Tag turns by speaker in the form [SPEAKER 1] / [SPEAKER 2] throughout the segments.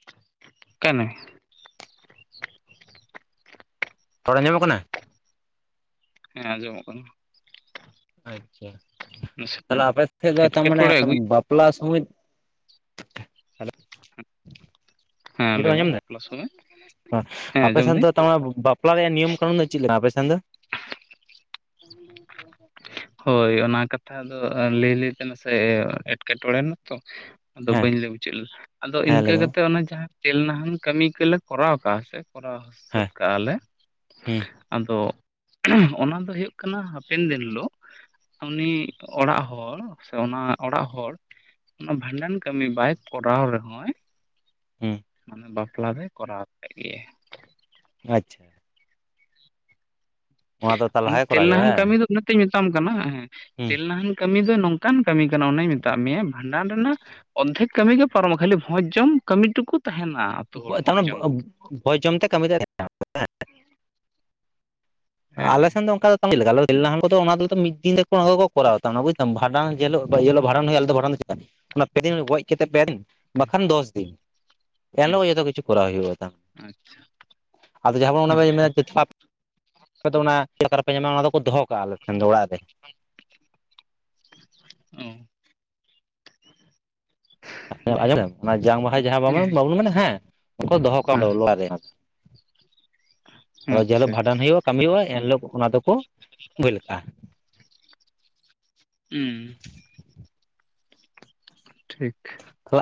[SPEAKER 1] [unintelligible]
[SPEAKER 2] ᱨᱚᱲ ᱟᱡᱚᱢᱚᱜ ᱠᱟᱱᱟ?
[SPEAKER 1] ᱦᱮᱸ ᱟᱸᱡᱚᱢᱚᱜ ᱠᱟᱱᱟ ᱾
[SPEAKER 2] ᱟᱪᱪᱷᱟ
[SPEAKER 1] ᱱᱟᱥᱮ
[SPEAKER 2] ᱛᱟᱦᱚᱞᱮ
[SPEAKER 1] ᱱᱟᱜ
[SPEAKER 2] ᱟᱯᱮ ᱥᱮᱫ ᱛᱟ ᱢᱟᱱᱮ
[SPEAKER 1] ᱮᱴᱠᱮᱴᱚᱬᱮ ᱟᱹᱜᱩᱭᱮᱫ
[SPEAKER 2] ᱵᱟ ᱼᱯᱞᱟ ᱥᱚᱢᱚᱭ [inaudible]
[SPEAKER 1] ᱦᱮᱸ ᱞᱟᱹᱭ ᱢᱮ
[SPEAKER 2] ᱟᱸᱡᱚᱢ ᱫᱟ
[SPEAKER 1] ᱵᱟᱯᱞᱟ ᱥᱚᱢᱚᱭ? ᱦᱮᱸ
[SPEAKER 2] ᱟᱯᱮ
[SPEAKER 1] ᱟᱸᱡᱚᱢ
[SPEAKER 2] ᱥᱮᱱ
[SPEAKER 1] ᱫᱟᱹᱧ
[SPEAKER 2] ᱫᱚ ᱛᱟᱨ ᱢᱟᱱᱮ ᱵᱟᱯᱞᱟ ᱨᱮᱭᱟᱜ ᱱᱤᱭᱚᱢ ᱠᱟᱹᱱᱩᱱ ᱫᱚ ᱪᱮᱫ ᱞᱮᱱᱟ ᱟᱯᱮ ᱥᱮᱱ ᱫᱚ?
[SPEAKER 1] [inaudible] ᱦᱳᱭ ᱚᱱᱟ ᱠᱟᱛᱷᱟ ᱫᱚ ᱞᱟᱹᱭ ᱞᱟᱹᱭᱛᱮ ᱱᱟᱥᱮ ᱮᱸᱴᱠᱮᱴᱚᱬᱮᱭ ᱱᱟᱛᱚ ᱾ ᱟᱫᱚ
[SPEAKER 2] ᱦᱮᱸ
[SPEAKER 1] ᱵᱟᱹᱧ ᱞᱟᱹᱭ ᱢᱩᱪᱟᱹᱫ ᱞᱮᱫᱟ ᱟᱫᱚ
[SPEAKER 2] ᱦᱮᱸ
[SPEAKER 1] ᱤᱱᱠᱟᱹ
[SPEAKER 2] ᱞᱟᱹᱭ ᱢᱮ
[SPEAKER 1] ᱠᱟᱛᱮᱜ ᱚᱱᱟ ᱡᱟᱦᱟᱸ ᱛᱮᱞ ᱱᱟᱦᱟᱱ ᱠᱟᱹᱢᱤ ᱠᱚᱞᱮ ᱠᱚᱨᱟᱣ ᱟᱠᱟᱜᱼᱟ ᱥᱮ ᱠᱚᱨᱟᱣ ᱥᱟᱹᱛ
[SPEAKER 2] ᱦᱮᱸ
[SPEAKER 1] ᱠᱟᱜᱼᱟ ᱞᱮ
[SPEAKER 2] ᱦᱩᱸ
[SPEAKER 1] ᱛᱚ ᱚᱱᱟ ᱫᱚ ᱦᱩᱭᱩᱜ ᱠᱟᱱᱟ ᱦᱟᱯᱮᱱ ᱫᱤᱱ ᱦᱤᱞᱳᱜ ᱩᱱᱤ ᱚᱲᱟᱜ ᱦᱚᱲ ᱥᱮ ᱚᱱᱟ ᱚᱲᱟᱜ ᱦᱚᱲ ᱚᱱᱟ ᱵᱷᱟᱸᱰᱟᱱ ᱠᱟᱹᱢᱤ ᱵᱟᱭ ᱠᱚᱨᱟᱣ ᱨᱮᱦᱚᱸᱭ
[SPEAKER 2] ᱦᱩᱸ
[SPEAKER 1] ᱢᱟᱱᱮ ᱵᱟᱯᱞᱟ ᱫᱚᱭ ᱠᱚᱨᱟᱣ ᱠᱮᱫ ᱜᱮᱭᱟ ᱾
[SPEAKER 2] ᱟᱪᱪᱷᱟ ᱫᱚ
[SPEAKER 1] ᱚᱱᱟ
[SPEAKER 2] ᱛᱟᱞᱦᱟᱭ
[SPEAKER 1] ᱛᱮᱞ
[SPEAKER 2] ᱠᱚᱨᱟᱣ ᱦᱩᱭᱩᱜᱼᱟ
[SPEAKER 1] ᱱᱟᱦᱟᱱ
[SPEAKER 2] ᱦᱮᱸ
[SPEAKER 1] ᱠᱟᱹᱢᱤ ᱫᱚ ᱚᱱᱟᱛᱤᱧ ᱢᱮᱛᱟᱢ ᱠᱟᱱᱟ
[SPEAKER 2] ᱦᱩᱸ
[SPEAKER 1] ᱛᱮᱞ ᱱᱟᱦᱟᱱ ᱠᱟᱹᱢᱤ ᱫᱚ ᱱᱚᱝᱠᱟᱱ ᱠᱟᱹᱢᱤ ᱠᱟᱱᱟ ᱚᱱᱟᱧ ᱢᱮᱛᱟᱫ ᱢᱮᱭᱟ ᱵᱷᱟᱸᱰᱟᱱ ᱨᱮᱱᱟᱜ ᱚᱨᱫᱷᱮᱠ ᱠᱟᱹᱢᱤ ᱜᱮ ᱯᱟᱨᱚᱢᱚᱜ ᱠᱷᱟᱹᱞᱤ ᱵᱷᱚᱡᱽ ᱡᱚᱢ ᱠᱟᱹᱢᱤ ᱴᱩᱠᱩ ᱛᱟᱦᱮᱱᱟ ᱾
[SPEAKER 2] [unintelligible] ᱛᱟᱨ ᱢᱟᱱᱮ ᱵᱷᱚᱡᱽ ᱡᱚᱢ ᱛᱮ ᱠᱟᱹᱢᱤ ᱫᱚ [unintelligible]
[SPEAKER 1] ᱦᱮᱸ
[SPEAKER 2] ᱟᱞᱮ ᱥᱮᱱ ᱫᱚ ᱚᱱᱠᱟ ᱪᱮᱫ ᱞᱮᱠᱟ ᱟᱞᱮ ᱫᱚ ᱛᱮᱞ ᱱᱟᱦᱟᱱ ᱠᱚ ᱫᱚ ᱚᱱᱟ ᱫᱚ ᱢᱤᱫ ᱫᱤᱱ ᱛᱮ ᱠᱚ ᱠᱚᱨᱟᱣ ᱛᱟᱦᱮᱱᱟ ᱵᱩᱡᱫᱟᱢ, ᱵᱷᱟᱰᱟᱱ ᱡᱮ ᱦᱮᱞᱳᱜ ᱡᱮ ᱦᱮᱞᱳᱜ ᱵᱷᱟᱰᱟᱱ ᱦᱳᱭᱳᱜᱼᱟ ᱟᱞᱮ ᱫᱚ ᱵᱷᱟᱰᱟᱱ ᱪᱮᱠᱟ ᱚᱱᱟ ᱯᱮ ᱫᱤᱱ ᱜᱚᱡ ᱠᱟᱛᱮᱫ ᱯᱮ ᱫᱤᱱ ᱵᱟᱠᱷᱟᱱ ᱫᱚᱥ ᱫᱤᱱ ᱾ ᱮᱱ
[SPEAKER 1] ᱦᱩᱸ
[SPEAKER 2] ᱦᱤᱞᱚᱜ ᱜᱮ ᱡᱚᱛᱚ ᱠᱤᱪᱷᱩ ᱠᱚᱨᱟᱣ ᱦᱩᱭᱩᱜᱼᱟ ᱾ ᱟᱫᱚ ᱡᱟᱦᱟᱸ
[SPEAKER 1] ᱟᱪᱪᱷᱟ ᱟᱪᱪᱷᱟ
[SPEAKER 2] ᱵᱚᱱ [unintelligible] [unintelligible] ᱫᱚ ᱚᱱᱟ ᱪᱮᱫᱠᱟ ᱨᱮᱯᱮ ᱧᱟᱢᱟ ᱚᱱᱟ ᱫᱚᱠᱚ ᱫᱚᱦᱚ ᱠᱟᱜᱼᱟ ᱟᱞᱮᱥᱮᱱ ᱫᱚ ᱚᱲᱟᱜ ᱨᱮ ᱾
[SPEAKER 1] ᱚ ᱡᱟᱭᱦᱳᱠ
[SPEAKER 2] [inaudible] ᱚᱱᱟ ᱡᱟᱝ ᱵᱟᱦᱟ ᱡᱟᱦᱟᱸ
[SPEAKER 1] ᱦᱮᱸ
[SPEAKER 2] ᱵᱟᱵᱚᱱ ᱢᱮᱱᱟ ᱦᱮᱸ
[SPEAKER 1] ᱦᱮᱸ
[SPEAKER 2] [inaudible] ᱡᱤᱞᱳᱜ
[SPEAKER 1] ᱟᱪᱪᱷᱟ
[SPEAKER 2] ᱵᱷᱟᱸᱰᱟᱱ ᱦᱩᱭᱩᱜᱼᱟ [unintelligible] ᱮᱱᱦᱤᱞᱳᱜ ᱚᱱᱟ ᱫᱚᱠᱚ ᱵ ᱠᱟᱜᱼᱟ
[SPEAKER 1] ᱦᱩᱸ ᱴᱷᱤᱠ
[SPEAKER 2] ᱟᱜ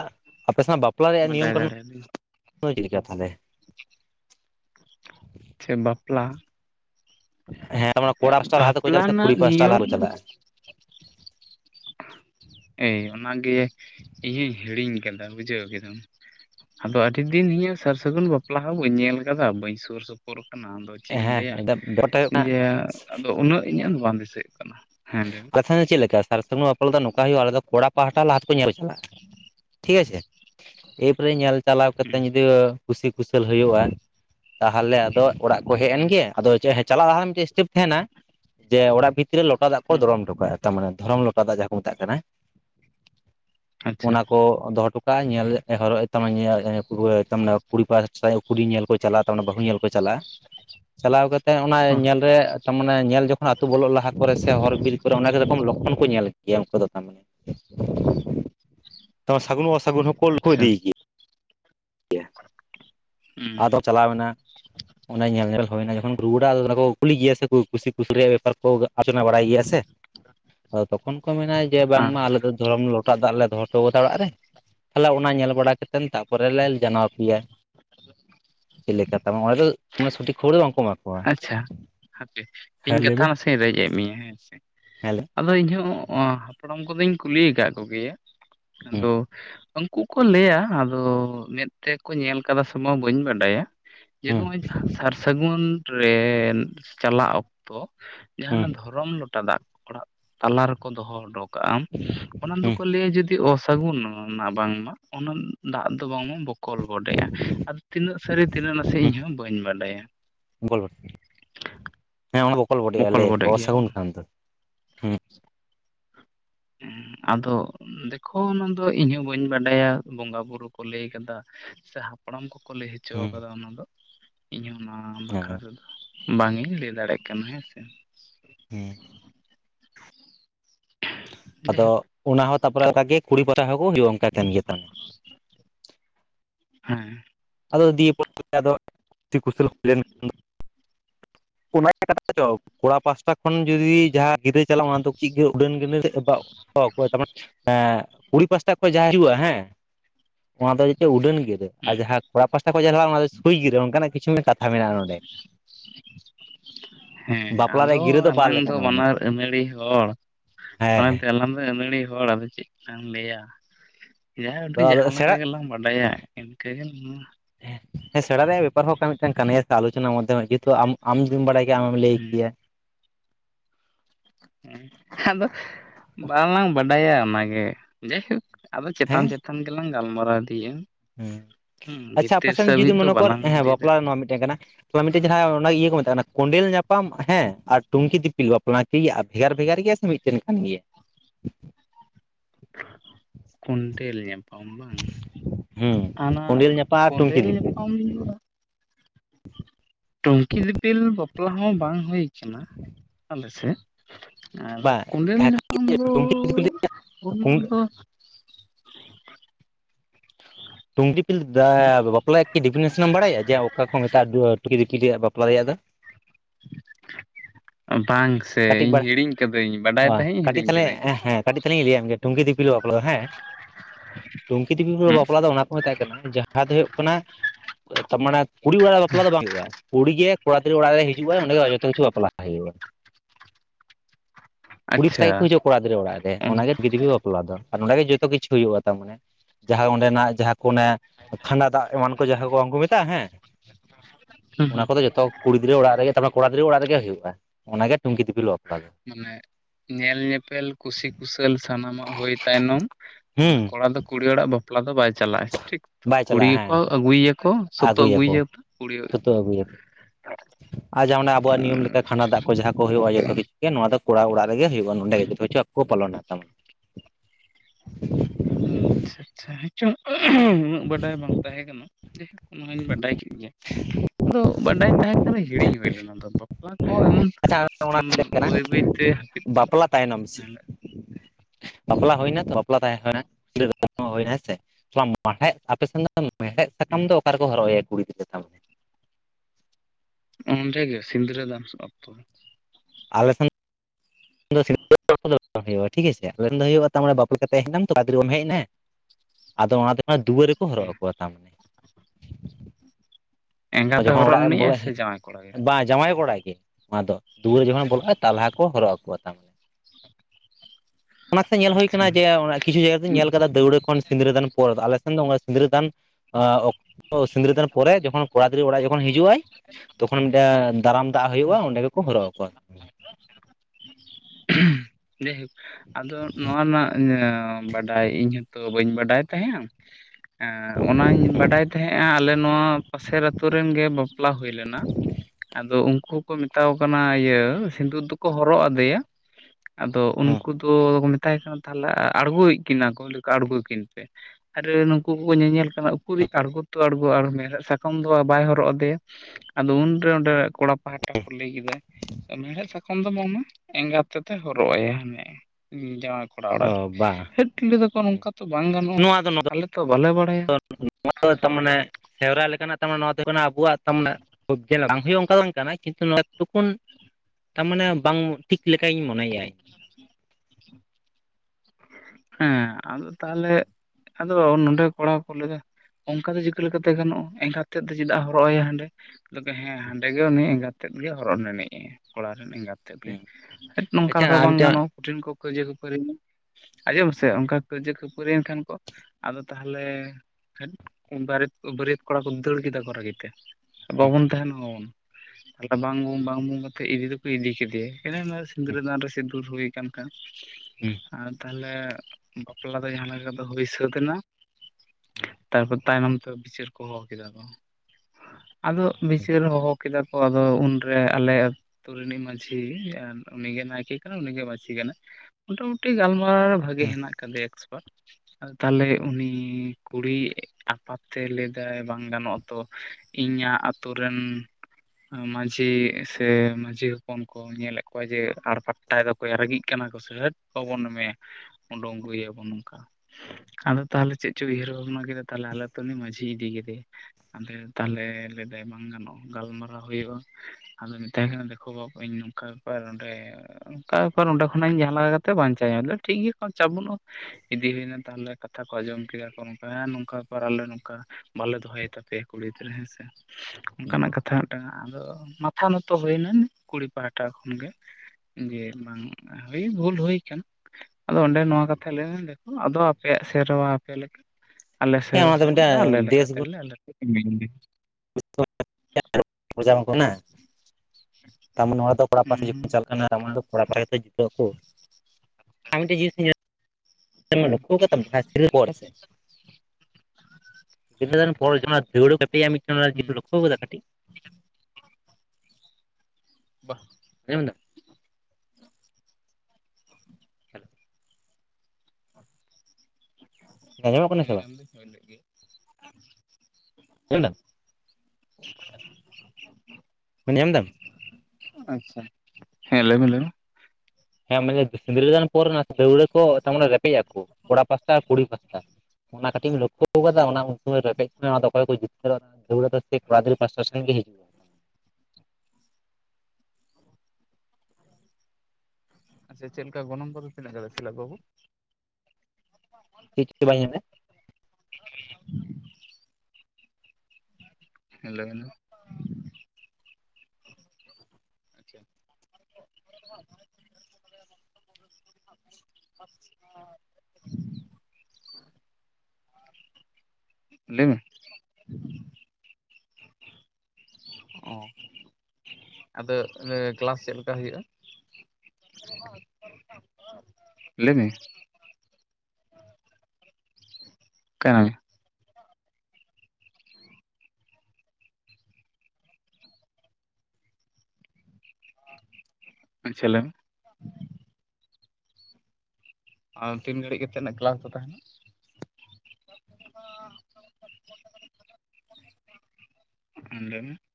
[SPEAKER 2] ᱟᱯᱮ ᱥᱮᱱᱟᱜ ᱵᱟᱯᱞᱟ ᱨᱮᱭᱟᱜ
[SPEAKER 1] ᱵᱟᱰᱟᱭ
[SPEAKER 2] ᱱᱤᱭᱚᱢ
[SPEAKER 1] ᱫᱟᱲᱮᱭᱟᱫᱟᱹᱧ
[SPEAKER 2] [inaudible] ᱪᱮᱫᱠᱟ ᱛᱟᱦᱚᱞᱮ
[SPEAKER 1] ᱥᱮ ᱵᱟᱯᱞᱟ
[SPEAKER 2] ᱦᱮᱸ ᱠᱚᱲᱟ ᱯᱟᱥᱴᱟ ᱞᱟᱦᱟ ᱛᱮᱠᱚ
[SPEAKER 1] ᱵᱟᱯᱞᱟ
[SPEAKER 2] ᱪᱟᱞᱟᱜᱼᱟ ᱥᱮ
[SPEAKER 1] ᱨᱮᱱᱟᱜ
[SPEAKER 2] ᱠᱩᱲᱤ ᱯᱟᱥᱴᱟ ᱞᱟᱦᱟ
[SPEAKER 1] ᱱᱤᱭᱚᱢ
[SPEAKER 2] ᱠᱚ ᱪᱟᱞᱟᱜᱼᱟ
[SPEAKER 1] ᱮᱭ ᱚᱱᱟᱜᱮ ᱤᱧᱤᱧ ᱦᱤᱲᱤᱧ ᱠᱟᱫᱟ ᱵᱩᱡᱷᱟᱹᱣ ᱠᱮᱫᱟᱢ ᱟᱫᱚ ᱟᱹᱰᱤ ᱫᱤᱱ ᱤᱧᱤᱭᱟᱹ ᱥᱟᱨ ᱥᱟᱹᱜᱩᱱ ᱵᱟᱯᱞᱟ ᱦᱚᱸ ᱵᱟᱹᱧ ᱧᱮᱞ ᱟᱠᱟᱫᱟ ᱵᱟᱹᱧ ᱥᱩᱨ ᱥᱩᱯᱩᱨ ᱟᱠᱟᱱᱟ ᱟᱫᱚ ᱪᱮᱫ ᱤᱧ
[SPEAKER 2] ᱦᱮᱸ
[SPEAKER 1] ᱞᱟᱹᱭᱟ
[SPEAKER 2] ᱵᱮᱯᱟᱨᱴᱟ ᱦᱩᱭᱩᱜ ᱠᱟᱱᱟ
[SPEAKER 1] ᱤᱭᱟᱹ ᱟᱫᱚ ᱩᱱᱟᱹᱜ ᱤᱧᱟᱹᱜ ᱫᱚ ᱵᱟᱝ ᱫᱤᱥᱟᱹᱭ ᱠᱟᱱᱟ ᱦᱮᱸ ᱞᱟᱹᱭ ᱵᱤᱱ
[SPEAKER 2] [unintelligible] ᱪᱮᱫ ᱞᱮᱠᱟ ᱥᱟᱨᱥᱟᱹᱜ ᱵᱟᱯᱞᱟᱫᱟ ᱱᱚᱝᱠᱟ ᱦᱩᱭᱩᱜᱼᱟ ᱟᱞᱮ ᱫᱚ ᱠᱚᱲᱟ ᱯᱟᱦᱴᱟ ᱞᱟᱦᱟ ᱛᱮ ᱠᱚ ᱧᱮᱞ ᱪᱟᱞᱟᱜᱼᱟ ᱴᱷᱤᱠ ᱟᱪᱷᱮ ᱮᱯᱨᱮ ᱧᱮᱞ ᱪᱟᱞᱟᱣ
[SPEAKER 1] ᱦᱩᱸ
[SPEAKER 2] ᱠᱟᱛᱮᱫ [unintelligible] ᱠᱩᱥᱤ ᱠᱩᱥᱟᱹᱞ ᱦᱩᱭᱩᱜᱼᱟ ᱛᱟᱦᱚᱞᱮ ᱟᱫᱚ ᱚᱲᱟᱜ ᱠᱚ ᱦᱮᱡ ᱮᱱ
[SPEAKER 1] ᱦᱩᱸ
[SPEAKER 2] ᱜᱮ ᱟᱫᱚ ᱪᱮᱫ ᱦᱮ ᱪᱟᱞᱟᱜ ᱞᱟᱦᱟ ᱨᱮ [unintelligible] ᱛᱟᱦᱮᱱᱟ ᱡᱮ ᱚᱲᱟᱜ ᱵᱷᱤᱛᱨᱤ ᱨᱮ ᱞᱚᱴᱟ ᱫᱟᱜ ᱠᱚ
[SPEAKER 1] ᱦᱩᱸ
[SPEAKER 2] ᱫᱷᱚᱨᱚᱢ ᱦᱚᱴᱚᱜᱠᱟᱜᱟ ᱛᱟᱨ ᱢᱟᱱᱮ ᱫᱷᱚᱨᱚᱢ ᱞᱚᱴᱟ ᱫᱟᱜ ᱡᱟᱦᱟᱸ ᱠᱚ ᱢᱮᱛᱟᱜ ᱠᱟᱱᱟ᱾
[SPEAKER 1] ᱟᱪᱪᱷᱟ
[SPEAKER 2] ᱚᱱᱟ ᱠᱚ ᱫᱚᱦᱚ ᱦᱚᱴᱚ ᱠᱟᱜᱼᱟ ᱧᱮᱞ [unintelligible] ᱧᱮᱞ [unintelligible] ᱛᱟᱨ ᱢᱟᱱᱮ ᱠᱩᱲᱤ ᱯᱟ- [unintelligible] ᱠᱩᱲᱤ ᱧᱮᱞ ᱠᱚ ᱪᱟᱞᱟᱜᱼᱟ ᱛᱟᱨᱢᱟᱱᱮ ᱵᱟᱹᱦᱩ ᱧᱮᱞ ᱠᱚ ᱪᱟᱞᱟᱜᱼᱟ ᱾ ᱪᱟᱞᱟᱣ ᱠᱟᱛᱮ ᱚᱱᱟ
[SPEAKER 1] ᱦᱚᱸ
[SPEAKER 2] ᱧᱮᱞ ᱨᱮ ᱛᱟ ᱢᱟᱱᱮ ᱧᱮᱞ ᱡᱚᱠᱷᱚᱱᱛᱳ ᱵᱚᱞᱚᱜ ᱞᱟᱦᱟ ᱠᱚᱨᱮ ᱥᱮ ᱦᱚᱨ ᱵᱤᱨ ᱠᱚᱨᱮ ᱚᱱᱟ ᱜᱮ ᱨᱚᱠᱚᱢ ᱞᱚᱠᱷᱚᱱ ᱠᱚ ᱧᱮᱞ ᱠᱮᱭᱟ ᱩᱱᱠᱩ ᱫᱚ ᱛᱟᱨ ᱢᱟᱱᱮ ᱛᱚ ᱥᱟᱜᱩᱱ ᱚᱥᱟᱜᱩᱱ ᱦᱚᱸ [inaudible]
[SPEAKER 1] ᱟᱪᱪᱷᱟ
[SPEAKER 2] ᱤᱫᱤ ᱜᱤᱭᱟ
[SPEAKER 1] ᱦᱩᱸ
[SPEAKER 2] ᱟᱫᱚ ᱪᱟᱞᱟᱣ ᱮᱱᱟ ᱚᱱᱟ ᱧᱮᱞ ᱧᱮᱞ ᱦᱩᱭᱱᱟ ᱡᱚᱠᱷᱚᱱ ᱨᱩᱣᱟᱹᱲᱟ ᱚᱱᱟ ᱠᱚ ᱠᱩᱞᱤ ᱜᱮᱭᱟ ᱥᱮ ᱠᱩᱥᱤ ᱠᱩᱥ ᱨᱮᱭᱟᱜ ᱵᱮᱯᱟᱨ ᱠᱚ ᱟᱞᱳᱪᱚᱱᱟ ᱵᱟᱲᱟᱭ ᱜᱮᱭᱟ ᱥᱮ ᱟᱫᱚ ᱛᱚᱠᱷᱚᱱ ᱠᱚ ᱢᱮᱱᱟ ᱡᱮ
[SPEAKER 1] ᱦᱚᱸ
[SPEAKER 2] ᱵᱟᱝᱢᱟ ᱟᱞᱮ ᱫᱚ ᱫᱷᱚᱱ ᱚᱴᱟᱜ ᱫᱟᱜ ᱞᱮ ᱫᱚᱦᱚ ᱦᱚᱴᱚ ᱠᱟᱫᱟ ᱚᱲᱟᱜ ᱨᱮ ᱛᱟᱦᱚᱞᱮ ᱚᱱᱟ ᱧᱮᱞ ᱵᱟᱲᱟ ᱠᱟᱛᱮᱫ ᱛᱟᱨᱯᱚᱨᱮᱞ ᱞᱮ ᱡᱟᱱᱟᱣᱯᱮᱭᱟ ᱪᱮᱫ ᱞᱮᱠᱟ ᱛᱟᱢᱟ ᱚᱱᱟ ᱫᱚ ᱥᱚᱴᱷᱤᱠ ᱠᱷᱚᱵᱚᱨ ᱫᱚ ᱵᱟᱝ ᱠᱚ ᱮᱢᱟ ᱠᱚᱣᱟ
[SPEAKER 1] ᱟᱪᱪᱷᱟ ᱦᱟᱯᱮ ᱤᱧ
[SPEAKER 2] ᱦᱮᱸ ᱞᱟᱹᱭ
[SPEAKER 1] ᱠᱟᱛᱷᱟ
[SPEAKER 2] ᱢᱮ
[SPEAKER 1] ᱱᱟᱥᱮᱧ ᱨᱮᱡᱮᱫᱽ ᱢᱮᱭᱟ ᱦᱮᱸ ᱥᱮ
[SPEAKER 2] ᱦᱮᱸ ᱞᱟᱹᱭ
[SPEAKER 1] ᱟᱫᱚ ᱤᱧ ᱦᱚᱸ ᱦᱟᱯᱲᱟᱢ ᱠᱚᱫᱚᱧ ᱠᱩᱞᱤ ᱟᱠᱟᱜ ᱠᱚᱜᱮᱭᱟ
[SPEAKER 2] ᱦᱩᱸ
[SPEAKER 1] ᱟᱫᱚ [unintelligible] ᱠᱚ ᱞᱟᱹᱭᱟ ᱟᱫᱚ ᱢᱮᱫ ᱛᱮᱠᱚ ᱧᱮᱞ ᱠᱟᱫᱟ ᱥᱮ ᱵᱟᱝ ᱵᱟᱹᱧ ᱵᱟᱰᱟᱭᱟ ᱡᱮ
[SPEAKER 2] ᱦᱩᱸ
[SPEAKER 1] ᱱᱚᱜᱼᱚᱭ ᱡᱟᱦᱟᱸ ᱥᱟᱨ ᱥᱟᱹᱜᱩᱱ ᱨᱮᱻ ᱪᱟᱞᱟᱜ ᱚᱠᱛᱚ ᱡᱟᱦᱟ
[SPEAKER 2] ᱦᱩᱸ
[SPEAKER 1] ᱚᱱᱟ ᱫᱷᱚᱨᱚᱢ ᱞᱚᱴᱟ ᱫᱟᱜ ᱚᱲᱟᱜ ᱛᱟᱞᱟ ᱨᱮᱠᱚ ᱫᱚᱦᱚ ᱦᱚᱴᱚ ᱠᱟᱜᱼᱟ ᱚᱱᱟ ᱫᱚᱠᱚ ᱞᱟᱹᱭᱟ ᱡᱩᱫᱤ ᱚᱥᱟᱹᱜᱩᱱ ᱨᱮᱱᱟᱜ ᱵᱟᱝᱢᱟ ᱚᱱᱟ ᱫᱟᱜ ᱫᱚ ᱵᱟᱝᱢᱟ ᱵᱚᱠᱚᱞ ᱵᱚᱰᱮᱜᱼᱟ ᱛᱤᱱᱟᱹᱜ ᱥᱟᱹᱨᱤ ᱛᱤᱱᱟᱹᱜ ᱱᱟᱥᱮ ᱤᱧ ᱦᱚᱸ ᱵᱟᱹᱧ ᱵᱟᱰᱟᱭᱟ
[SPEAKER 2] [unintelligible] ᱦᱮ ᱚᱱᱟ ᱵᱚᱠᱟᱞ ᱵᱚᱰᱮ-ᱟ ᱞᱟᱹᱭ ᱟᱠᱚ ᱚᱥᱟᱹᱜᱩᱱ ᱠᱷᱟᱱ ᱫᱚ ᱦᱩᱸ
[SPEAKER 1] ᱦ [inaudible] ᱟᱫᱚ ᱫᱮᱠᱷᱳ ᱚᱱᱟ ᱫᱚ ᱤᱧ ᱦᱚᱸ ᱵᱟᱹᱧ ᱵᱟᱰᱟᱭᱟ ᱵᱚᱸᱜᱟ ᱵᱩᱨᱩ ᱠᱚ ᱞᱟᱹᱭ ᱠᱟᱫᱟ ᱥᱮ ᱦᱟᱯᱲᱟᱢ ᱠᱚᱠᱚ ᱞᱟᱹᱭ ᱦᱚᱪᱚ
[SPEAKER 2] ᱦᱩᱸ
[SPEAKER 1] ᱠᱟᱫᱟ ᱚᱱᱟ ᱫᱚ ᱤᱧᱦᱚ ᱱᱚᱣᱟ ᱵᱟᱠᱷᱨᱟ
[SPEAKER 2] ᱦᱮᱸ
[SPEAKER 1] ᱛᱮᱫᱚ ᱵᱟᱝ ᱤᱧ ᱞᱟᱹᱭ ᱫᱟᱲᱭᱟᱜ ᱠᱟᱱᱟ ᱦᱮᱸ ᱥᱮ
[SPEAKER 2] ᱦᱩᱸ ᱟᱫᱚ
[SPEAKER 1] ᱡᱟᱭᱦᱳᱠ
[SPEAKER 2] ᱚᱱᱟ ᱦᱚᱸ ᱛᱟᱨᱯᱚᱨᱮ ᱞᱮᱠᱟᱜᱮ ᱠᱩᱲᱤ ᱯᱟᱦᱴᱟ ᱦᱚᱸᱠᱚ ᱦᱩᱭᱩᱜ ᱚᱱᱠᱟ ᱠᱟᱱ ᱜᱮᱭᱟ ᱛᱟᱦᱚᱞᱮ
[SPEAKER 1] ᱦᱮᱸ
[SPEAKER 2] ᱟᱫᱚ ᱫᱤᱭᱮ [inaudible] [inaudible] ᱥᱟᱵᱠᱟᱜ ᱢᱮ ᱡᱩᱫᱤ ᱡᱟᱦᱟᱸ ᱜᱤᱫᱽᱨᱟᱹ ᱪᱟᱞᱟᱜᱼᱟ ᱚᱱᱟ ᱫᱚ [inaudible] ᱮᱻᱠᱩᱲᱤ ᱯᱟᱥᱴᱟ ᱠᱷᱚᱱ ᱡᱟᱦᱟᱸ ᱦᱤᱡᱩᱜᱼᱟ ᱦᱮᱸ ᱚᱱᱟ ᱫᱚ ᱩᱰᱟᱹᱱ ᱜᱤᱨᱟᱹ ᱟᱨ
[SPEAKER 1] ᱦᱮᱸ
[SPEAKER 2] ᱡᱟᱦᱟᱸ [unintelligible] [unintelligible] ᱥᱩᱭ ᱜᱤᱨᱟ ᱚᱱᱠᱟᱱᱟᱜ ᱠᱤᱪᱷᱩ ᱠᱟᱛᱷᱟ ᱢᱮᱱᱟᱜᱼᱟ ᱱᱚᱰᱮ
[SPEAKER 1] ᱦᱮᱸ
[SPEAKER 2] ᱵᱟᱯᱞᱟ ᱨᱮ
[SPEAKER 1] ᱟᱫᱚ
[SPEAKER 2] ᱜᱤᱨᱟᱹ ᱵᱟᱨ
[SPEAKER 1] ᱟᱞᱟᱝ ᱫᱚ
[SPEAKER 2] ᱞᱮᱠᱟᱱᱟ
[SPEAKER 1] ᱵᱟᱱᱟᱨ
[SPEAKER 2] ᱢᱮᱱᱛᱮ
[SPEAKER 1] ᱟᱹᱱᱟᱹᱲᱤ ᱦᱚᱲ [unintelligible] [unintelligible]
[SPEAKER 2] ᱦᱮᱸ
[SPEAKER 1] ᱪᱮᱫ ᱞᱟᱝ ᱞᱟᱹᱭᱟ ᱡᱟ ᱩᱰᱩᱡ
[SPEAKER 2] ᱟᱫᱚ
[SPEAKER 1] ᱡᱟᱦᱟᱸ ᱞᱮᱠᱟ
[SPEAKER 2] ᱥᱮᱬᱟ
[SPEAKER 1] ᱜᱮᱞᱟᱝ ᱵᱟᱰᱟᱭᱟ ᱤᱱᱠᱟᱹᱮ ᱜᱮᱞᱟᱝ ᱞᱮᱭᱟ
[SPEAKER 2] ᱦᱮᱸ ᱥᱮᱬᱟ ᱨᱮᱭᱟᱜ ᱵᱮᱯᱟᱨ ᱦᱚᱸ ᱠᱟᱱᱟ ᱢᱤᱫᱴᱟᱝ ᱠᱟᱱᱭᱟ ᱟᱞᱚᱪᱚᱱᱟ ᱢᱟᱫᱽᱫᱷ ᱡᱮᱦᱮᱛᱩ ᱟᱢᱟᱜ ᱟᱢ ᱡᱩᱫᱤᱢ ᱵᱟᱲᱟᱭ ᱠᱮᱭᱟ ᱟᱢᱮᱢ ᱞᱟᱹᱭ ᱠᱮᱭᱟ
[SPEAKER 1] ᱟᱫᱚ ᱵᱟᱝᱞᱟᱝ ᱵᱟᱰᱟᱭᱟ ᱚᱱᱟᱜᱮ ᱡᱟᱭᱦᱳᱠ ᱟᱫᱚ ᱪᱮᱛᱟᱱ
[SPEAKER 2] ᱦᱮᱸ
[SPEAKER 1] ᱪᱮᱛᱟᱱ ᱜᱮᱞᱟᱝ ᱜᱟᱞᱢᱟᱨᱟᱣ ᱤᱫᱤᱭᱼᱟ
[SPEAKER 2] ᱦᱩᱸ ᱟᱪᱪᱷᱟ ᱟᱯᱮ ᱥᱮᱱ ᱡᱩᱫᱤ
[SPEAKER 1] ᱫᱚ
[SPEAKER 2] ᱢᱚᱱᱮ ᱠᱚᱨ
[SPEAKER 1] ᱵᱟᱞᱟᱝ
[SPEAKER 2] ᱦᱮᱸ
[SPEAKER 1] ᱞᱟᱹᱭ
[SPEAKER 2] ᱵᱟᱯᱞᱟ
[SPEAKER 1] ᱫᱟᱲᱮᱭᱟᱜ
[SPEAKER 2] ᱨᱮ ᱱᱚᱣᱟ ᱢᱤᱫᱴᱮᱱ ᱠᱟᱱᱟ ᱛᱚ ᱢᱤᱫᱴᱮᱱ ᱡᱟᱦᱟᱸ ᱚᱱᱟ ᱤᱭᱟᱹ ᱠᱚ ᱢᱮᱛᱟᱜ ᱠᱟᱱᱟ ᱠᱚᱸᱰᱮᱞ ᱧᱟᱯᱟᱢ ᱦᱮᱸ ᱟᱨ ᱴᱩᱝᱠᱤ ᱫᱤᱯᱤᱞ ᱵᱟᱯᱞᱟ ᱴᱷᱠᱜᱤᱭᱟ ᱵᱷᱮᱜᱟᱨᱼᱵᱷᱮᱜᱟᱨ ᱜᱮᱭᱟ ᱥᱮ ᱢᱤᱫᱴᱮᱱ ᱠᱟᱱ ᱜᱮᱭᱟ
[SPEAKER 1] [unintelligible] ᱠᱳᱰᱮᱞ ᱧᱟᱯᱟᱢ [unintelligible] ᱵᱟᱝ
[SPEAKER 2] ᱦᱩᱸ
[SPEAKER 1] ᱦᱟᱱᱟ
[SPEAKER 2] ᱠᱚᱸᱰᱮᱞ ᱧᱟᱯᱟᱢ ᱟᱨ ᱴᱩᱝᱠᱤ
[SPEAKER 1] ᱠᱚᱸᱰᱮᱮᱞ
[SPEAKER 2] ᱫᱤᱯᱤᱞ
[SPEAKER 1] ᱧᱟᱯᱟᱢ ᱫᱚ ᱴᱩᱝᱠᱤ ᱫᱤᱯᱤᱞ ᱵᱟᱯᱞᱟ ᱦᱚᱸ ᱵᱟᱝ ᱦᱩᱭ ᱟᱠᱟᱱᱟ ᱟᱞᱮ ᱥᱮᱫ ᱟᱨ
[SPEAKER 2] ᱵᱟᱝ
[SPEAKER 1] ᱠᱚᱸᱰᱮᱞ ᱧᱟᱯᱟᱢ ᱫᱚᱻ
[SPEAKER 2] ᱴᱩᱝᱠᱤ ᱫᱤᱯᱤᱞ
[SPEAKER 1] ᱩᱱᱟᱹᱜ ᱫᱚ
[SPEAKER 2] ᱴᱩᱝ ᱫᱤᱯᱤᱞ ᱫᱟ ᱵᱟᱯᱞᱟ ᱤ ᱰᱤᱯᱷᱤᱱᱮᱥᱚᱱᱮ ᱮᱢ ᱵᱟᱲᱟᱭᱟ ᱡᱮ ᱚᱠᱟ ᱠᱚ ᱢᱮᱛᱟᱜᱼᱟ ᱴᱠᱤᱠᱤ ᱫᱤᱯᱤᱞ ᱨᱮᱭᱟᱜ ᱵᱟᱯᱞᱟ ᱨᱮᱭᱟᱜ ᱫᱚ
[SPEAKER 1] ᱵᱟᱝ ᱥᱮ
[SPEAKER 2] ᱠᱟᱹᱴᱤᱡ
[SPEAKER 1] ᱤᱧ
[SPEAKER 2] ᱵᱟᱲᱟᱭ
[SPEAKER 1] ᱦᱤᱲᱤᱧ ᱠᱟᱹᱫᱟᱹᱧ ᱵᱟᱰᱟᱭ ᱛᱟᱦᱮᱸᱫᱟᱧ ᱦᱤᱲᱤᱧ ᱠᱤᱫᱟᱹᱧ
[SPEAKER 2] ᱦᱮᱸ ᱠᱟᱹᱴᱤ ᱛᱟᱦᱚᱞᱮ ᱞᱟᱹᱭᱟᱢ ᱜᱮᱭᱟ ᱴᱩᱝᱠ ᱫᱤᱯᱤᱞ ᱵᱟᱯᱞᱟ ᱦᱮᱸ ᱴᱩᱝᱠᱤ ᱛᱤᱯᱤ ᱠᱚ
[SPEAKER 1] ᱦᱩᱸ
[SPEAKER 2] ᱵᱟᱯᱞᱟ ᱫᱚ ᱚᱱᱟ ᱠᱚ ᱢᱮᱛᱟᱜ ᱠᱟᱱᱟ ᱡᱟᱦᱟᱸ ᱫᱚ ᱦᱩᱭᱩᱜ ᱠᱟᱱᱟ ᱢᱟᱱᱮ [unintelligible] ᱠᱩᱲᱤ ᱚᱲᱟᱜ ᱨᱮ ᱵᱟᱯᱞᱟ ᱫᱚ ᱵᱟᱝ ᱦᱩᱭᱩᱜᱼᱟ ᱠᱩᱲᱤ ᱜᱮ ᱠᱚᱲᱟ ᱜᱤᱫᱲᱟ ᱚᱲᱟᱜ ᱨᱮ ᱦᱤᱡᱩᱜᱼᱟ ᱚᱸᱰᱮ ᱜᱮ ᱡᱚᱛᱚ ᱠᱤᱪᱷᱩ ᱵᱟᱯᱞᱟ ᱦᱩᱭᱩᱜᱼᱟ ᱠᱩᱲᱤ ᱯᱟᱥᱴᱟ
[SPEAKER 1] ᱟᱪᱪᱷᱟ
[SPEAKER 2] ᱜᱮᱠᱚ ᱦᱤᱡᱩᱜᱼᱟ ᱠᱚᱲᱟ ᱜᱤᱫᱽᱨᱟᱹᱲ ᱨᱮ
[SPEAKER 1] ᱦᱩᱸ
[SPEAKER 2] ᱚᱱᱟᱜᱮ ᱜᱤᱫᱽᱨᱟᱹ ᱵᱟᱯᱞᱟ ᱫᱚ ᱟᱨ ᱱᱚᱸᱰᱮ ᱜᱮ ᱡᱚᱛᱚ ᱠᱤᱪᱷᱩ ᱦᱩᱭᱩᱜᱼᱟ ᱛᱟ ᱢᱟᱱᱮ ᱡᱟᱦᱟᱸ ᱚᱸᱰᱮᱱᱟᱜ ᱡᱟᱦᱟᱸ ᱠᱚ ᱚᱱᱮ ᱠᱷᱟᱸᱰᱟ ᱫᱟᱜ ᱮᱢᱟᱱ ᱠᱚ ᱡᱟᱦᱟᱸ ᱠᱚ ᱩᱱ ᱠᱚ ᱢᱮᱛᱟᱜᱼᱟ ᱦᱮᱸ
[SPEAKER 1] ᱦᱩᱸ
[SPEAKER 2] ᱚᱱᱟ ᱠᱚᱫᱚ ᱡᱚᱛᱚ ᱠᱩᱲᱤ ᱜᱤᱫᱽᱨᱟᱹ ᱚᱲᱟᱜ ᱨᱮᱜ ᱛᱟᱨᱯᱚᱨ ᱠᱚᱲᱟ ᱜᱤᱫᱽᱨᱟᱹ ᱚᱲᱟᱜ ᱛᱮᱜᱮ ᱦᱩᱭᱩᱜᱼᱟ ᱚᱱᱟᱜᱮ ᱴᱩᱝᱠᱤ ᱫᱤᱯᱤ ᱞᱚᱜᱼᱟ!
[SPEAKER 1] ᱢᱟᱱᱮ ᱧᱮᱞ ᱧᱮᱯᱮᱞ ᱠᱩᱥᱤ ᱠᱩᱥᱟᱹᱞ ᱥᱟᱱᱟᱢᱟᱜ ᱦᱩᱭ ᱛᱟᱭᱱᱚᱢ ᱢᱟᱱᱮ
[SPEAKER 2] ᱦᱩᱸ
[SPEAKER 1] ᱠᱚᱲᱟ ᱫᱚ ᱠᱩᱲᱤ ᱦᱚᱲᱟᱜ ᱵᱟᱯᱞᱟ ᱫᱚ ᱵᱟᱭ ᱪᱟᱞᱟᱜᱼᱟ ᱴᱷᱤᱠ ᱛᱚ
[SPEAKER 2] ᱵᱟᱭ
[SPEAKER 1] ᱠᱩᱲᱤ
[SPEAKER 2] ᱪᱟᱞᱟᱜᱼᱟ ᱦᱮᱸ
[SPEAKER 1] ᱜᱮᱠᱚ ᱟᱹᱜᱩᱭᱮᱭᱟᱠᱚ ᱥᱳᱛᱚ ᱟᱹᱜᱩᱭᱟᱠᱚ ᱠᱩᱲᱤ
[SPEAKER 2] ᱥᱩᱛᱟᱹ ᱟᱹᱜᱩᱭᱟᱠᱚ ᱟᱨ ᱡᱟᱦᱟᱸ ᱚᱵᱮ ᱟᱵᱚᱣᱟᱜ ᱱᱤᱭᱚᱢ ᱞᱮᱠᱟ ᱠᱷᱟᱸᱟᱱᱟᱰᱟ ᱫᱟᱜ ᱠᱚ ᱡᱟᱦᱟᱸ ᱠᱚ ᱦᱩᱭᱩᱜᱼᱟ ᱡᱚᱛᱚ ᱠᱤᱪᱷᱩ ᱱᱚᱣᱟ ᱫᱚ ᱠᱚᱲᱟ ᱚᱲᱟᱜ ᱨᱮᱜᱮ ᱦᱩᱭᱩᱜᱼᱟ ᱱᱚᱰᱮ ᱜᱮ ᱡᱚᱛᱚ ᱠᱤᱪᱷᱩ ᱟᱠᱚ ᱠᱚ ᱯᱟᱞᱚᱱ ᱦᱟ ᱛᱟᱢᱟ
[SPEAKER 1] ᱟᱪᱪᱷᱟ ᱟᱪᱪᱷᱟ ᱦᱸᱮᱪᱚᱝ [unintelligible] ᱩᱱᱟᱹᱜ ᱵᱟᱰᱟᱭ ᱵᱟᱝ ᱛᱟᱦᱮᱸ ᱠᱟᱱᱟ [unintelligible] ᱦᱚᱧ ᱵᱟᱰᱟᱭ ᱠᱮᱫ ᱜᱮᱭᱟ ᱟᱫᱚ ᱵᱟᱰᱟᱭ ᱛᱟᱦᱮᱸ [unintelligible] ᱦᱤᱲᱤᱧ ᱦᱩᱭ ᱞᱮᱱᱟ ᱵᱟᱯᱞᱟ ᱠᱚᱦᱚᱸ ᱮᱢᱚᱱ
[SPEAKER 2] ᱟᱪᱪᱷᱟ ᱚᱱᱟ
[SPEAKER 1] ᱦᱩᱸ
[SPEAKER 2] ᱢᱤᱫᱴᱮᱱ ᱠᱟᱱᱟ
[SPEAKER 1] ᱵᱟᱹᱭ ᱵᱟᱹᱭᱛᱮ ᱦᱟᱹᱯᱤᱫ ᱪᱟᱞᱟᱜ
[SPEAKER 2] ᱵᱟᱯᱞᱟ ᱛᱟᱭᱱᱚᱢ ᱥᱮ
[SPEAKER 1] ᱠᱟᱱᱟ [unintelligible]
[SPEAKER 2] ᱵᱟᱯᱞᱟ ᱦᱩᱭᱱᱟ ᱛᱚ ᱵᱟᱯᱞᱟ ᱛᱟᱦᱮᱸ ᱦᱩᱭᱱᱟ [unintelligible] ᱦᱩᱭᱱᱟ ᱦᱮᱸᱥ ᱥᱮ [unintelligible] ᱟᱯᱮ ᱥᱮᱱ ᱫᱚ ᱢᱮᱲᱦᱮᱫ
[SPEAKER 1] ᱦᱩᱸ
[SPEAKER 2] ᱥᱟᱠᱟᱢ ᱫᱚ ᱚᱠᱟᱨᱮᱠᱚ ᱦᱚᱨᱚᱜᱮᱭᱟ ᱠᱩᱲᱤ ᱜᱤᱫᱽᱟᱹ ᱛᱟᱢ
[SPEAKER 1] ᱚᱸᱰᱮ ᱜᱮ ᱥᱤᱫᱽᱨᱟᱹᱫᱟᱱ ᱚᱠᱛᱚ
[SPEAKER 2] ᱟᱞᱮᱥᱮᱱ [inaudible] ᱦᱩᱭᱩᱜᱼᱟ ᱴᱷᱤᱠ ᱟᱪᱷ ᱟᱞᱮᱱ ᱫᱚ ᱦᱩᱭᱩᱜᱼᱟ ᱛᱟᱨᱢᱟᱱᱮ ᱵᱟᱯᱞᱟ ᱠᱟᱛᱮ ᱦᱮᱡ ᱮᱱᱟᱢ ᱛᱚ [unintelligible] ᱫᱩᱢ ᱦᱮᱡ ᱮᱱᱟ ᱟᱫᱚ ᱚᱱᱟ ᱫᱚ ᱫᱩᱣᱟᱹᱨ ᱨᱮ ᱠᱚ ᱦᱚᱨᱚᱜ ᱟᱠᱚᱣᱟ ᱛᱟᱨ ᱢᱟᱱᱮ
[SPEAKER 1] ᱮᱸᱜᱟᱛᱮ
[SPEAKER 2] ᱡᱚᱠᱷᱚᱱ
[SPEAKER 1] ᱦᱚᱨᱚᱜ
[SPEAKER 2] ᱚᱲᱟᱜ ᱮᱢ [unintelligible]
[SPEAKER 1] ᱞᱮᱱᱤᱡᱼᱟ
[SPEAKER 2] ᱵᱚᱞᱚ
[SPEAKER 1] ᱥᱮ ᱡᱟᱶᱟᱭ ᱠᱚᱲᱟ ᱜᱮ
[SPEAKER 2] ᱵᱟᱡ ᱡᱟᱶᱟᱭ ᱠᱚᱲᱟᱜ ᱜᱮ ᱱᱚᱣᱟ ᱫᱚ ᱫᱩᱣᱟᱹᱨ ᱨᱮ ᱡᱚᱠᱷᱚᱱ ᱵᱚᱞᱚᱜᱼᱟ ᱛᱟᱞᱦᱟ ᱠᱚ ᱦᱚᱨᱚᱜ ᱟᱠᱚᱣᱟ [unintelligible] ᱚᱱᱟᱛᱮ ᱧᱮᱞ ᱦᱩᱭ
[SPEAKER 1] ᱟᱪᱪᱷᱟ
[SPEAKER 2] ᱠᱟᱱᱟ ᱡᱮ ᱠᱤᱪᱷᱩ ᱡᱟᱭᱜᱟ ᱛᱧ ᱧᱮᱞ ᱠᱟᱫᱟ ᱫᱟᱹᱣᱲᱟᱹ ᱠᱷᱚᱱ ᱥᱤᱸᱝᱫᱽᱨᱟᱹ ᱫᱟᱱ ᱯᱚᱨ ᱟᱞᱮ ᱥᱮᱱ ᱫᱚ ᱥᱤᱸᱫᱩᱨ ᱫᱟᱱ ᱚᱠᱛᱚ ᱥᱤᱸᱫᱩᱨ ᱫᱟᱱ ᱯᱚᱨᱮ ᱡᱚᱠᱷᱚᱱ ᱠᱚᱲᱟ ᱜᱤᱫᱽᱨᱟᱹ ᱚᱲᱟᱜ ᱡᱚᱠᱷᱚᱱ ᱦᱤᱡᱩᱜ ᱟᱭ ᱛᱚᱠᱷᱚᱱ ᱢᱤᱫᱴᱮᱱ ᱫᱟᱨᱟᱢ ᱫᱟᱜ ᱦᱩᱭᱩᱜᱼᱟ ᱚᱸᱰᱮ ᱜᱮ ᱠᱚ ᱦᱚᱨᱚᱜ ᱟᱠᱚᱣᱟ
[SPEAKER 1] [unintelligible] ᱡᱟᱭᱦᱳᱠ ᱟᱫᱚ ᱱᱚᱣᱟ ᱨᱮᱱᱟᱜ ᱵᱟᱰᱟᱭ ᱤᱧ ᱦᱚᱛᱚ ᱛᱚ ᱵᱟᱹᱧ ᱵᱟᱰᱟᱭ ᱛᱟᱦᱮᱸᱼᱟ ᱮᱸᱻ ᱚᱱᱟᱧ ᱵᱟᱰᱟᱭ ᱛᱟᱦᱮᱸᱼᱟ ᱟᱞᱮ ᱱᱚᱣᱟ ᱯᱟᱥᱮᱨ ᱟᱹᱛᱩᱳ ᱨᱮᱱ ᱜᱮ ᱵᱟᱯᱞᱟ ᱦᱩᱭ ᱞᱮᱱᱟ ᱟᱫᱚ ᱩᱱᱠᱩ ᱦᱚᱸᱠᱚ ᱢᱮᱛᱟᱟᱣ ᱠᱟᱱᱟ ᱤᱭᱟᱹ ᱥᱤᱸᱫᱩᱨ ᱫᱚ ᱠᱚ ᱦᱚᱨᱚᱜ ᱟᱫᱮᱭᱟ ᱟᱫᱚ
[SPEAKER 2] ᱦᱚᱸ
[SPEAKER 1] ᱩᱱᱠᱩ ᱫᱚ ᱠᱚ ᱢᱮᱛᱟᱭ ᱠᱟᱱᱟ ᱛᱟᱦᱚᱞᱮ ᱟᱬᱜᱚ ᱭᱮᱫ ᱠᱤᱱᱟᱹ ᱠᱚ ᱞᱮᱭᱫᱟᱠᱚ ᱟᱬᱜᱳ ᱠᱤᱱ ᱯᱮ ᱟᱨᱮ ᱱᱩᱠᱩ ᱠᱚ ᱠᱚ ᱧᱮᱧᱮᱞ ᱠᱟᱱᱟ ᱩᱠᱩᱨᱤᱡ ᱟᱬᱜᱳ ᱛᱚ ᱟᱬᱜᱳ ᱟᱨᱦᱚᱸ ᱢᱮᱨᱦᱮᱫ ᱥᱟᱠᱟᱢ ᱫᱚ ᱵᱟᱭ ᱦᱚᱨᱚᱜ ᱟᱫᱮᱭᱟ ᱟᱫᱚ ᱩᱱᱨᱮ ᱚᱸᱰᱮ ᱠᱚᱲᱟ ᱯᱟᱦᱴᱟ ᱠᱚ ᱞᱟᱹᱭ ᱠᱮᱫᱟ ᱢᱮᱲᱦᱮᱫ ᱥᱟᱠᱟᱚᱢ ᱫᱚ ᱵᱟᱝᱢᱟ ᱮᱸᱜᱟᱛ ᱛᱟᱛᱮ ᱦᱚᱨᱚᱜ ᱟᱭᱟᱭ ᱦᱮ ᱡᱟᱶᱟᱭ ᱠᱚᱲᱟ
[SPEAKER 2] ᱚ
[SPEAKER 1] ᱚᱲᱟᱜ
[SPEAKER 2] ᱵᱟᱝ
[SPEAKER 1] ᱨᱮ ᱦᱮᱡ ᱴᱤᱞ ᱛᱟᱠᱚ ᱱᱚᱝᱠᱟ ᱛᱚ ᱵᱟᱝ ᱜᱟᱱᱚᱜᱼᱟ ᱟᱞᱮ ᱛᱚ ᱵᱟᱞᱮ ᱵᱟᱲᱟᱭᱟ
[SPEAKER 2] [unintelligible] ᱱᱚᱣᱟ ᱫᱚ ᱛᱟᱨ ᱢᱟᱱᱮ ᱥᱮᱣᱨᱟ ᱞᱮᱠᱟᱱᱟᱜ ᱛ ᱢᱟᱱᱮ ᱱᱚᱣᱟ ᱫᱚ ᱦᱩᱭᱩᱜ ᱠᱟᱱᱟ ᱟᱵᱚᱣᱟᱜ ᱛᱟᱨᱢᱟᱱᱮ [inaudible] ᱵᱟᱝ ᱦᱩᱭᱩᱜ ᱚᱱᱠᱟ ᱫᱚ ᱵᱟᱝ ᱠᱤᱱᱛᱩ ᱱᱚᱸᱰᱮ ᱴᱩᱠᱩᱱ ᱛᱟᱨᱢᱟᱱᱮ ᱵᱟᱝ ᱴᱷᱤᱠ ᱞᱮᱠᱟᱧ ᱢᱚᱱᱮ ᱭᱮᱜ-ᱟᱭ
[SPEAKER 1] ᱦᱮᱸ ᱟᱫᱚ ᱛᱟᱦᱚᱞᱮ ᱟᱫᱚ ᱱᱚᱰᱮ ᱠᱚᱲᱟ ᱠᱚ ᱠᱚ ᱞᱟᱹᱭᱟ ᱚᱱᱠᱟ ᱫᱚ ᱪᱤᱠᱟᱹ ᱞᱮᱠᱟᱛᱮ ᱜᱟᱱᱚᱜᱼᱟ ᱮᱸᱜᱟᱛ ᱛᱮᱫ ᱫᱚ ᱪᱮᱫᱟᱜ ᱮ ᱦᱚᱨᱚᱜ ᱟᱭᱟ ᱦᱟᱸᱰᱮ [unintelligible] ᱦᱮᱸ ᱦᱟᱸᱰᱮ ᱜᱮ ᱩᱱᱤ ᱮᱸᱜᱟᱛ ᱛᱮᱛ ᱜᱮ ᱦᱚᱨᱚᱜ ᱢᱮᱱᱮᱜᱼᱟᱭ ᱠᱚᱲᱟᱨ ᱨᱮᱱ ᱮᱸᱜᱟᱛ
[SPEAKER 2] ᱦᱩᱸ
[SPEAKER 1] ᱱᱚᱝᱠᱟ
[SPEAKER 2] ᱟᱪᱪᱷᱟ
[SPEAKER 1] ᱞᱮᱠᱟ
[SPEAKER 2] ᱟᱨ
[SPEAKER 1] ᱵᱟᱝ
[SPEAKER 2] ᱢᱤᱫᱴᱟᱝ
[SPEAKER 1] ᱜᱟᱱᱚᱜ-ᱟ ᱠᱩᱴᱷᱤᱱ ᱠᱚ ᱠᱟᱹᱭᱡᱟᱹ ᱠᱷᱟᱹᱯᱟᱹᱨᱤ ᱮᱱᱟ ᱟᱸᱡᱚᱢ ᱢᱮ ᱥᱮ ᱚᱱᱠᱟ ᱠᱟᱹᱭᱡᱟᱹ ᱠᱷᱟᱹᱯᱟᱹᱨᱤ ᱮᱱ ᱠᱷᱟᱱ ᱠᱚ ᱟᱫᱚ ᱛᱟᱦᱚᱞᱮ ᱵᱟᱹᱨᱮᱛ ᱵᱟᱹᱨᱭᱟᱹᱛ ᱠᱚᱲᱟ ᱠᱚ ᱫᱟᱹᱲ ᱠᱮᱫᱟ ᱠᱚ ᱨᱟᱹᱜᱤ ᱛᱮ ᱵᱟᱵᱚᱱ ᱛᱟᱦᱮᱱᱟ ᱟᱵᱚᱱ ᱛᱟᱦᱚᱞᱮ ᱵᱷᱟᱝ ᱵᱷᱩᱝ ᱵᱩ ᱠᱟᱛᱮᱫ ᱤᱫᱤ ᱫᱚ ᱠᱚ ᱤᱫᱤ ᱠᱮᱫᱮᱭᱟ ᱥᱤᱸᱫᱽᱨᱟᱹ ᱫᱟᱱ ᱨᱮ ᱥᱫᱩᱨ ᱦᱩᱭ ᱠᱟᱱ ᱠᱷᱟᱱ ᱟᱪᱪᱷᱟ [inaudible]
[SPEAKER 2] ᱦᱩᱸ
[SPEAKER 1] ᱟᱨ ᱛᱟᱦᱚᱞᱮ ᱵᱟᱯᱞᱟ ᱫᱚ ᱡᱟᱦᱟᱸ ᱞᱮᱠᱟ ᱠᱟᱛᱮ ᱦᱩᱭ ᱥᱟᱹᱛ ᱮᱱᱟ ᱛᱟᱨᱯᱚᱨ ᱛᱟᱭᱱᱚᱢ ᱛᱮ ᱵᱤᱪᱟᱹᱨ ᱠᱚ ᱦᱚᱦᱚ ᱠᱮᱫᱟ ᱠᱚ ᱟᱫᱚ ᱵᱤᱪᱟᱹᱨ ᱦᱚᱦᱚ ᱠᱮᱫᱟ ᱠᱚ ᱟᱫᱚ ᱩᱱᱨᱮ ᱟᱞᱮ ᱟᱛᱳ ᱨᱤᱱᱤᱡ ᱢᱟᱺᱡᱷᱤ ᱩᱱᱤᱜᱮ ᱱᱟᱭᱠᱮ ᱠᱟᱱᱟ ᱩᱱᱤᱜᱮ ᱢᱪᱷᱤ ᱠᱟᱱᱟᱭ ᱢᱚᱴᱟ ᱢᱩᱴᱤ ᱜᱟᱞᱢᱟᱨᱟᱣ ᱨᱮ ᱵᱷᱟᱜᱮ ᱦᱮᱱᱟᱜ ᱟᱠᱟᱫᱮᱭᱟ ᱮᱠᱥᱯᱟᱨᱴ ᱛᱟᱦᱚᱞᱮ ᱩᱱᱤ ᱠᱩᱲᱤ ᱟᱯᱟᱛ ᱛᱮᱫ ᱞᱟᱹᱭᱫᱟᱭ ᱵᱟᱝ ᱜᱟᱱᱚᱜ-ᱟ ᱛᱚ ᱤᱧᱟᱹᱜ ᱟᱛᱳ ᱨᱮᱱ ᱢᱟᱟᱹᱡᱷᱤ ᱥᱮ ᱢᱟᱹᱡᱷᱤ ᱦᱚᱯᱚᱱ ᱠᱚ ᱧᱮᱞᱮᱫ ᱠᱚᱣᱟ ᱡᱮ ᱟᱲ ᱯᱷᱟᱴᱟᱭ ᱫᱚᱠᱚ ᱭᱟ ᱨᱟᱸᱜᱤᱜ ᱠᱟᱱᱟ ᱠᱚ ᱥᱟ ᱦᱟᱹᱴ ᱦᱚᱵᱚᱱ ᱮᱢᱮᱭᱟ ᱩᱰᱩᱝ ᱟᱹᱜᱩᱭ ᱟᱵᱚᱱ ᱱᱚᱝᱠᱟ ᱟᱫᱚ ᱛᱟᱦᱚᱞᱮ ᱪᱮᱫ ᱪᱚ ᱩᱭᱦᱟᱹᱨ ᱵᱷᱟᱵᱽᱱᱟ ᱠᱮᱫᱟ ᱛᱟᱦᱚᱞᱮ ᱟᱞᱮ ᱟᱛᱳ ᱨᱤᱱᱤᱡ ᱢᱟᱺᱡᱷᱤ ᱤᱫᱤ ᱠᱮᱫᱮᱭᱟ ᱟᱫᱚ ᱛᱟᱦᱞᱮ ᱞᱟᱭ ᱵᱟᱝ ᱜᱟᱱᱚᱜ-ᱟ ᱜᱟᱞᱢᱟᱨᱟᱣ ᱦᱩᱭᱩᱜ-ᱟ ᱟᱫᱚ ᱢᱮᱛᱟᱭ ᱠᱟᱱᱟ ᱫᱮᱠᱷᱚ ᱵᱟᱵ ᱤᱧ ᱱᱚᱝᱠᱟ ᱵᱮᱯᱟᱨ ᱚᱸᱰᱮ ᱱᱚᱝᱠᱟ ᱵᱮᱯᱟᱨ ᱚᱸᱰᱮ ᱠᱷᱚᱱᱟᱜ ᱤᱧ ᱡᱟᱦᱟᱸ ᱞᱮᱠᱟ ᱠᱟᱛᱮ ᱛᱮ ᱵᱟᱧᱪᱟᱭᱟ ᱵᱚᱞᱮ ᱴᱷᱤᱠ ᱜᱮᱭᱟ ᱠᱳᱱᱳ ᱪᱟᱯ ᱵᱟᱹᱱᱩᱜ-ᱟ ᱤᱫᱤ ᱦᱩᱭ ᱮᱱᱟ ᱛᱟᱦᱚᱞᱮ ᱠᱟᱛᱷᱟ ᱠᱚ ᱟᱸᱡᱚᱢ ᱠᱮᱫᱮᱭᱟ ᱠᱚ ᱱᱚᱠᱟ ᱦᱮᱸ ᱱᱚᱝᱠ ᱟᱵᱟᱨ ᱟᱞᱮ ᱱᱚᱝᱠᱟ ᱵᱟᱞᱮ ᱫᱚᱦᱚᱭ ᱛᱟᱯᱮᱭᱟ ᱠᱩᱲᱤ ᱜᱤᱫᱽᱨᱟᱹ ᱦᱮᱸ ᱥᱮ ᱚᱱᱠᱟᱱᱟᱜ ᱠᱟᱛᱷᱟ ᱢᱤᱫᱴᱟᱝ ᱟᱫᱚ ᱢᱟᱛᱷᱟ ᱱᱚᱛᱚ ᱦᱩᱭᱱᱟ ᱠᱩᱲᱤ ᱯᱟᱦᱴᱟ ᱠᱷᱚᱱ ᱜᱮ ᱫᱤᱭᱮ ᱵᱟᱝ ᱦᱩᱭ ᱵᱷᱩᱞ ᱦᱩᱭ ᱟᱫᱚ ᱚᱸᱰᱮ ᱱᱚᱣᱟ ᱠᱟᱛᱷᱟ ᱞᱮᱹᱭᱫᱟ ᱫᱮᱠᱷᱩᱱ ᱟᱫᱚ ᱟᱯᱮᱭᱟᱜ ᱥᱮᱨᱣᱟ ᱟᱯᱮ ᱞᱮᱠᱟ ᱟᱞᱮ
[SPEAKER 2] ᱦᱮᱸ
[SPEAKER 1] ᱥᱮᱨᱣᱟ
[SPEAKER 2] ᱚᱱᱟ
[SPEAKER 1] ᱥᱚᱢᱚᱭ ᱫᱚ ᱟᱞᱮ
[SPEAKER 2] ᱢᱤᱫᱴᱟᱝ ᱫᱮᱥ ᱜᱩᱱ
[SPEAKER 1] ᱛᱮᱞᱮ [unintelligible]
[SPEAKER 2] [unintelligible] ᱠᱟᱱᱟ ᱛᱟᱢᱟᱱᱮ [unintelligible] ᱡᱩᱴᱟᱹᱣ ᱟᱠᱚ
[SPEAKER 1] ᱦᱩᱸ
[SPEAKER 2] [unintelligible] ᱟᱨ ᱢᱤᱫᱴᱟᱝ ᱡᱤᱱᱤᱥ ᱤᱧ ᱧᱮᱞ
[SPEAKER 1] ᱦᱩᱸ
[SPEAKER 2] [unintelligible] [unintelligible] ᱞᱚᱠᱠᱷᱚ
[SPEAKER 1] ᱦᱩᱸ
[SPEAKER 2] ᱠᱟᱫᱟ ᱠᱟᱹᱴᱤᱡ
[SPEAKER 1] ᱵᱟᱦ
[SPEAKER 2] ᱟᱸᱡᱚᱢᱫᱟ ᱟᱸᱡᱚᱢᱚᱜ ᱠᱟᱱᱟ
[SPEAKER 1] ᱦᱮᱸ
[SPEAKER 2] ᱥᱮ ᱵᱟᱝ
[SPEAKER 1] ᱮᱢ ᱫᱩᱧ ᱦᱚᱭ ᱞᱮᱫ ᱜᱮᱭᱟ
[SPEAKER 2] ᱟᱡᱚᱢ ᱫᱟᱢ
[SPEAKER 1] [unintelligible]
[SPEAKER 2] ᱧᱟᱢ ᱫᱟᱢ
[SPEAKER 1] ᱟᱪᱪᱷᱟ ᱦᱮᱸ ᱞᱟᱹᱭᱢᱮ ᱞᱟᱹᱭᱢᱮ
[SPEAKER 2] ᱦᱮᱸ ᱢᱟᱱᱮ ᱥᱤᱸᱫᱽᱨᱟᱹ ᱫᱟᱱ ᱯᱚᱨ ᱚᱱᱟ ᱫᱟᱹᱣᱲᱟᱹ ᱠᱚ ᱢᱟᱱᱮ ᱨᱮᱯᱮᱡ ᱟᱠᱚ ᱠᱚᱲᱟ ᱯᱟᱥᱴᱟ ᱠᱩᱲᱤ ᱯᱟᱥᱴᱟ ᱚᱱᱟ ᱠᱟᱹᱴᱤᱡ ᱮᱢ ᱞᱚᱠᱠᱷᱚ ᱟᱠᱟᱫᱟ ᱚᱱᱟ ᱩᱱ ᱥᱚᱢᱚᱭ ᱨᱮᱯᱮᱡ ᱥᱚᱢᱚᱭ ᱚᱠᱚᱭ ᱠᱚ ᱡᱤᱛᱠᱟᱹᱨᱚᱜ ᱠᱟᱱᱟ ᱫᱟᱹᱣᱲᱟᱹ ᱫᱚ ᱥᱮ ᱠᱚ ᱠᱩᱲᱟ ᱜᱤᱫᱽᱨᱟᱹ ᱯᱟᱥᱴᱟ ᱥᱮᱱ ᱜᱮ ᱦᱮᱡ ᱮᱱᱟ
[SPEAKER 1] ᱪᱮᱫ ᱞᱮᱠᱟ ᱜᱚᱱᱚᱝ ᱠᱚᱫᱚ ᱛᱤᱱᱟᱹ ᱠᱟᱛᱮ ᱛᱤᱞᱠᱟ ᱵᱟᱵᱩ
[SPEAKER 2] [unintelligible]
[SPEAKER 1] [unintelligible] ᱦᱮᱞᱳ ᱮᱞᱳ ᱟᱪᱪᱷᱟ [unintelligible] ᱞᱟᱹᱭ ᱢᱮ ᱚ ᱟᱫᱚ ᱟᱹ ᱠᱞᱟᱥ ᱪᱮᱜ ᱞᱮᱠᱟ ᱦᱩᱭᱩᱜ-ᱟ ᱞᱟᱹᱭ ᱢᱮ [unintelligible] ᱟᱪᱪᱟᱞ ᱞᱟᱹᱭᱢᱮ ᱟᱹ ᱛᱤᱱ ᱜᱷᱟᱹᱲᱤᱡ ᱠᱟᱛᱮᱜ ᱱᱟᱜ ᱠᱞᱟᱥ ᱫᱚ ᱛᱟᱦᱮᱱᱟ [unintelligible]